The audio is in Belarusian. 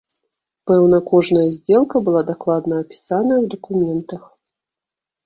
Пэўна, кожная здзелка была дакладна апісаная ў дакументах.